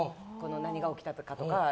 何が起きたとか。